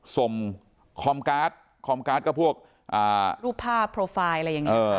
คอมการ์ดคอมการ์ดก็พวกรูปภาพโปรไฟล์อะไรอย่างนี้